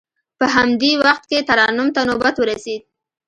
په همدې وخت کې ترنم ته نوبت ورسید.